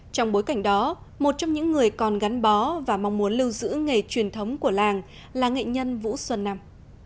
trong bối cảnh đó một trong những người còn gắn bó và mong muốn lưu giữ nghề truyền thống của làng là nghệ nhân vũ xuân năm